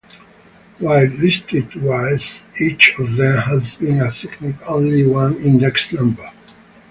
While listed twice, each of them has been assigned only one index number.